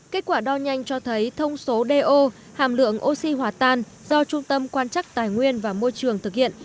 kết quả đo nhanh cho thấy thông số do hàm lượng oxy hỏa tan do trung tâm quan chắc tài nguyên và môi trường thực hiện